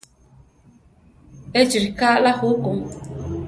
Échi ríka aʼlá a juku.